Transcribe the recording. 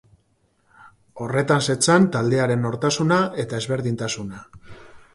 Horretan zetzan taldearen nortasuna eta ezberdintasuna.